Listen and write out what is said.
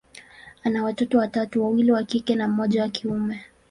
ana watoto watatu, wawili wa kike na mmoja wa kiume.